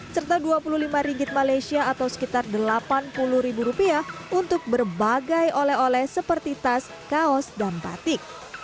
serta dua puluh lima ringgit malaysia atau sekitar delapan puluh ribu rupiah untuk berbagai oleh oleh seperti tas kaos dan batik